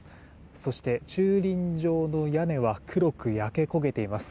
そして、駐輪場の屋根は黒く焼け焦げています。